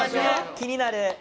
気になる。